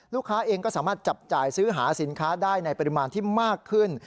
ลูกค้าเองก็สามารถจับจ่ายซื้อหาสินค้าได้ในปริมาณที่มากขึ้น